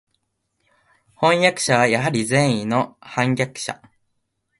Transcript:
飜訳者はやはり善意の（まさか悪意のではあるまい）叛逆者